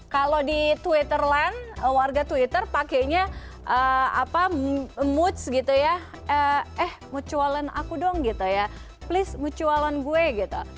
kalau di twitterland warga twitter pakainya apa moods gitu ya eh mutualan aku dong gitu ya please mutualan gue gitu